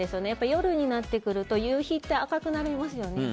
夜になってくると夕日って赤くなりますよね。